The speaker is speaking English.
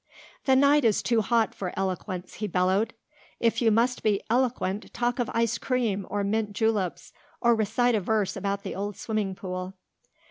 "The night is too hot for eloquence," he bellowed. "If you must be eloquent talk of ice cream or mint juleps or recite a verse about the old swimming pool."